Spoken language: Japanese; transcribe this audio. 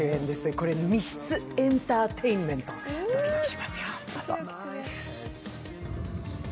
これ密室エンターテインメント、ドキドキしますよ。